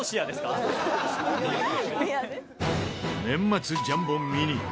年末ジャンボミニ